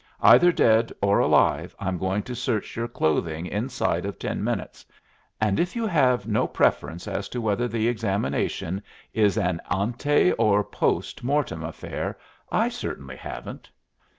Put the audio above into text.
Either dead or alive, I'm going to search your clothing inside of ten minutes; and if you have no preference as to whether the examination is an ante or post mortem affair, I certainly haven't."